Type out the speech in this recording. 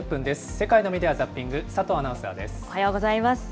世界のメディア・ザッピング、佐おはようございます。